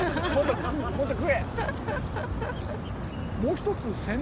もっと食え。